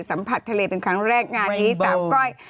สัมผัสทะเลเป็นครั้งแรกงานนี้สาวก้อย